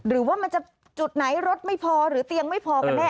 หรือว่ามันจะจุดไหนรถไม่พอหรือเตียงไม่พอกันแน่